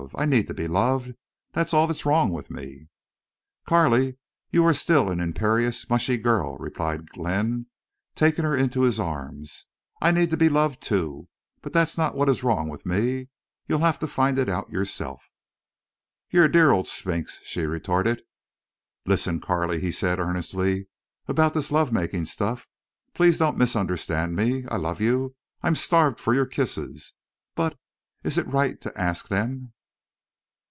I need to be loved. That's all that's wrong with me." "Carley, you are still an imperious, mushy girl," replied Glenn, taking her into his arms. "I need to be loved, too. But that's not what is wrong with me. You'll have to find it out yourself." "You're a dear old Sphinx," she retorted. "Listen, Carley," he said, earnestly. "About this love making stuff. Please don't misunderstand me. I love you. I'm starved for your kisses. But—is it right to ask them?"